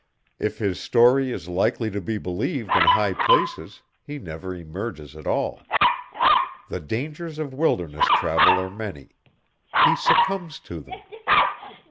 If his story is likely to be believed in high places, he never emerges at all. The dangers of wilderness travel are many: he succumbs to them.